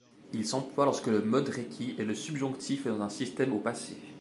Il s'emploie lorsque le mode requis est le subjonctif dans un système au passé.